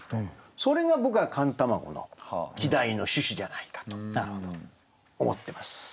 それが僕は「寒卵」の季題の趣旨じゃないかと思ってます。